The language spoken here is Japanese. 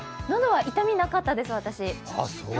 喉は痛みなかったです、私。